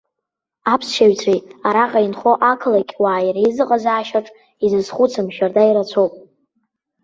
Аԥсшьаҩцәеи араҟа инхо ақалақь уааи реизыҟазаашьаҿ изызхәыцым шьарда ирацәоуп.